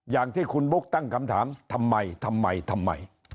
อย่างที่คุณบุ๊คตั้งคำถามทำไมทำไม